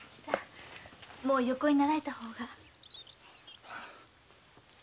もう横になられた方が。